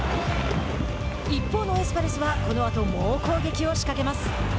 一方のエスパルスはこのあと猛攻撃を仕掛けます。